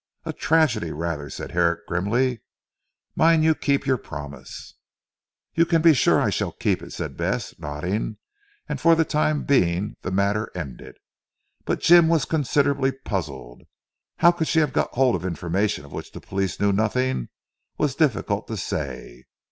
"A tragedy rather," said Herrick grimly, "mind you keep your promise." "You can be sure I shall keep it," said Bess nodding and for the time being the matter ended. But Jim was considerably puzzled. How she could have got hold of information of which the police knew nothing was difficult to say.